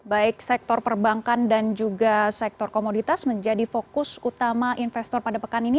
baik sektor perbankan dan juga sektor komoditas menjadi fokus utama investor pada pekan ini